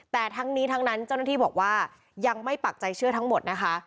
แต่ทั้งนี้ทั้งนั้นเจ้าหน้าที่บอกว่ายังไม่ปักใจเชื่อทั้งหมดนะคะ